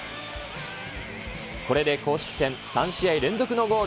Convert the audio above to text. これで公式戦３試合連続のゴール。